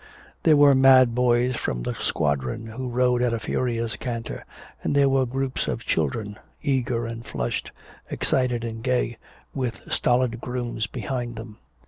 There were mad boys from the Squadron who rode at a furious canter, and there were groups of children, eager and flushed, excited and gay, with stolid grooms behind them.